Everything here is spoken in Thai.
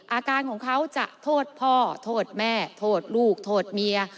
อาการของเขาจะโทษพ่อโทษแม่โทษลูกโทษเมีย